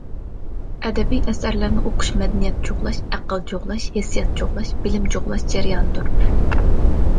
ئەدەبىي ئەسەرلەرنى ئوقۇش مەدەنىيەت جۇغلاش، ئەقىل جۇغلاش، ھېسسىيات جۇغلاش، بىلىم جۇغلاش جەريانىدۇر.